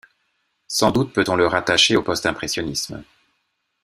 Sans doute peut-on le rattacher au postimpressionnisme.